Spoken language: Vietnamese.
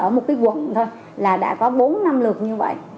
ở một cái quận thôi là đã có bốn năm lượt như vậy